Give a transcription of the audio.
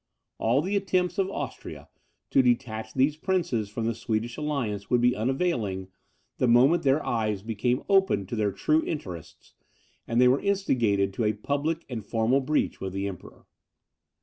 All the attempts of Austria, to detach these princes from the Swedish alliance, would be unavailing, the moment their eyes became opened to their true interests, and they were instigated to a public and formal breach with the Emperor.